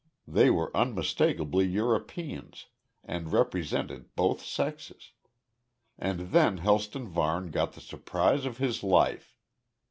They were unmistakably Europeans and represented both sexes. And then Helston Varne got the surprise of his life.